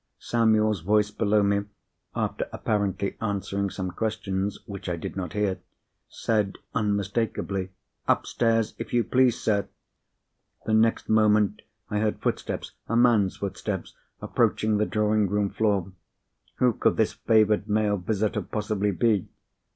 Samuel's voice below me (after apparently answering some questions which I did not hear) said, unmistakably, "Upstairs, if you please, sir." The next moment I heard footsteps—a man's footsteps—approaching the drawing room floor. Who could this favoured male visitor possibly be?